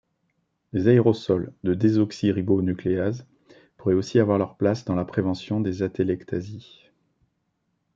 Les aérosols de désoxyribonucléase pourraient aussi avoir leur place dans la prévention des atélectasies.